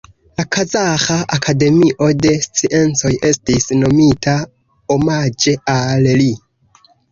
La Kazaĥa Akademio de Sciencoj estis nomita omaĝe al li.